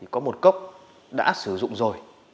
có một cốc đã sử dụng rồi